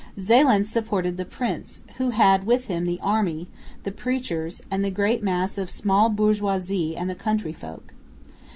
Zeeland supported the prince, who had with him the army, the preachers and the great mass of small bourgeoisie and the country folk.